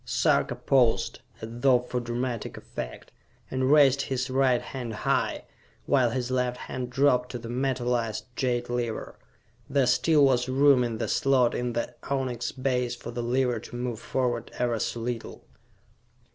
Sarka paused, as though for dramatic effect, and raised his right hand high, while his left hand dropped to the metalized jade lever. There still was room in the slot in the onyx base for the lever to move forward ever so little.